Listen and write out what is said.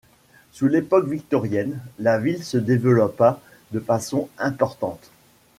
Sous l'époque victorienne, la ville se développa de façon importante.